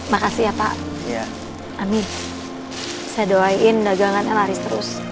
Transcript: makasih ya pak amin saya doain dagangannya laris terus